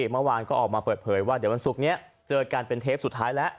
เมื่อวานก็ออกมาเปิดเผยว่าเดี๋ยววันศุกร์นี้เจอกันเป็นเทปสุดท้ายแล้ว